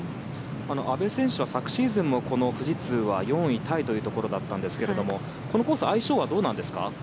阿部選手は昨シーズンもこの富士通は４位タイというところだったんですがこのコース相性はどうなんですか？